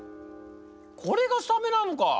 これがサメなのか。